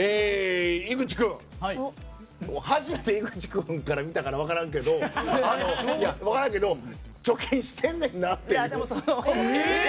井口君、初めて井口君から見たから分からんけど貯金してんねんなって。